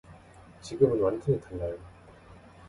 지금은 완전히 달라요.